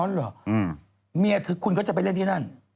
อ้อหรอคุณคุณก็จะไปเล่นที่นั้น